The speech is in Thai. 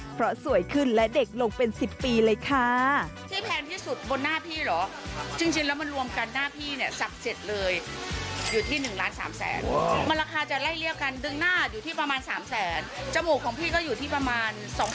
เพราะสวยขึ้นและเด็กลงเป็น๑๐ปีเลยค่ะ